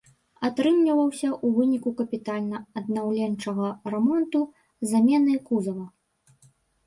Атрымліваўся ў выніку капітальна-аднаўленчага рамонту з заменай кузава.